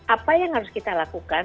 apa yang harus kita lakukan